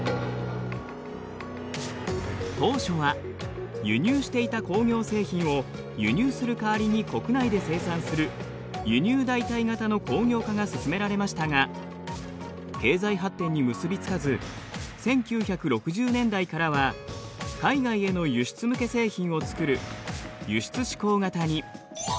当初は輸入していた工業製品を輸入する代わりに国内で生産する輸入代替型の工業化が進められましたが経済発展に結び付かず１９６０年代からは海外への輸出向け製品を作る輸出指向型に。